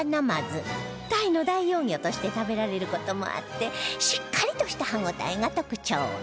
タイの代用魚として食べられる事もあってしっかりとした歯応えが特徴